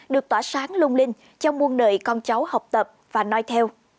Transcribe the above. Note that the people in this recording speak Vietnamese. được tỏa sáng lung linh trong muôn đời con cháu học tập và nói theo